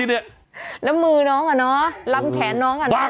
แล้วมือน้องเหรอเนอะลำแขนน้องเหรอจิม